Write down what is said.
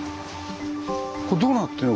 これどうなってるの？